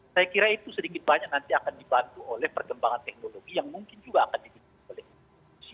saya kira itu sedikit banyak nanti akan dibantu oleh perkembangan teknologi yang mungkin juga akan dibutuhkan oleh institusi